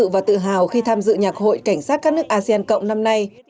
tôi rất tự hào khi tham dự nhạc hội cảnh sát các nước asean cộng năm nay